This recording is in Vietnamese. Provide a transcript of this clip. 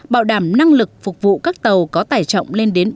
bảo đảm năng lực phục vụ các tàu có tài trọng